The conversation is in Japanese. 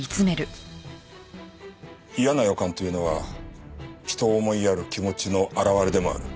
嫌な予感というのは人を思いやる気持ちの表れでもある。